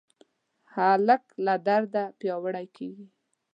هلک له درده پیاوړی کېږي.